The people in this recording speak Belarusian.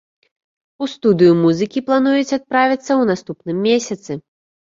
У студыю музыкі плануюць адправіцца ў наступным месяцы.